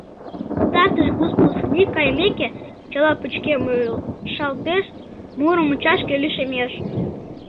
Пытартыш выпускник кайымеке, чыла пычкемышалтеш, муро мучашке лишемеш.